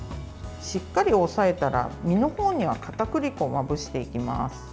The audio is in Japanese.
しっかり押さえたら、身の方にはかたくり粉をまぶしていきます。